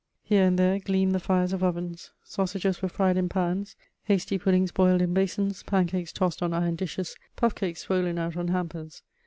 Here and there gleamed the fires of ovens. Sausages were fried in pans, hasty puddings boiled in basins, pancakes tossed on iron dishes, puffcakes swollen out on hampers.